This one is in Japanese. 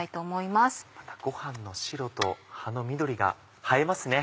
またご飯の白と葉の緑が映えますね。